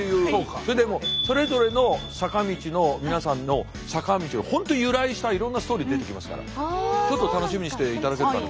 それでもうそれぞれの坂道の皆さんの坂道を本当由来したいろんなストーリー出てきますからちょっと楽しみにしていただけたらと。